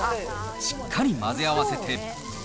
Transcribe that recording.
しっかり混ぜ合わせて。